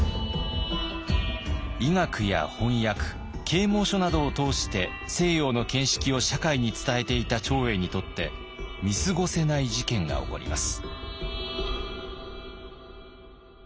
医学や翻訳啓もう書などを通して西洋の見識を社会に伝えていた長英にとって見過ごせない事件が起こります。